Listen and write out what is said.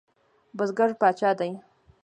بزګر پاچا دی؟